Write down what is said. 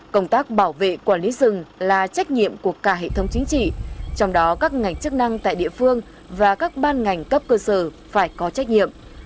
công tác bảo vệ quản lý rừng là trách nhiệm của cả hệ thống chính trị trong đó các ngành chức năng tại địa phương và các ban ngành cấp cơ sở phải có trách nhiệm